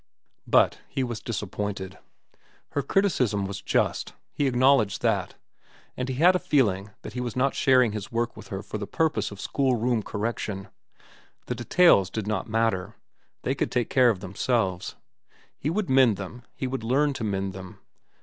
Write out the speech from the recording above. But he was disappointed. Her criticism was just. He acknowledged that, but he had a feeling that he was not sharing his work with her for the purpose of schoolroom correction. The details did not matter. They could take care of themselves. He could mend them, he could learn to mend them.